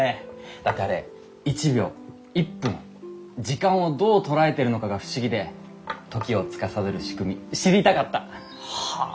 だってあれ１秒１分時間をどう捉えてるのかが不思議で時をつかさどる仕組み知りたかった！はあ。